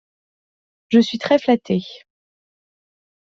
Je suis très flatté.